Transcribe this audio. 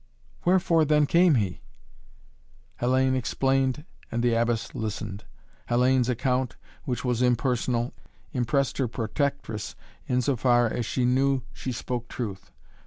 "Wherefore then came he?" Hellayne explained and the Abbess listened. Hellayne's account, which was impersonal, impressed her protectress in so far as she knew she spoke truth.